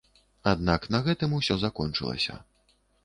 Аднак на гэтым усё закончылася.